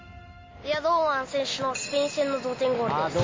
堂安選手のスペイン戦の同点ゴールです。